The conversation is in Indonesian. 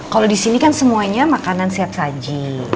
kalo disini kan semuanya makanan siap saji